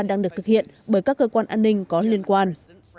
đang được thực hiện bởi các cơ quan an ninh có liên quan